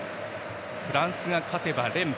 フランスが勝てば連覇。